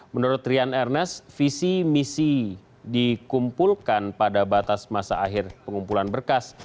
menurut rian ernest visi misi dikumpulkan pada batas masa akhir pengumpulan berkas